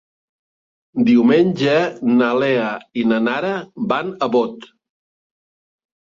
Diumenge na Lea i na Nara van a Bot.